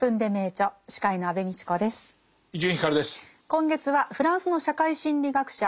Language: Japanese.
今月はフランスの社会心理学者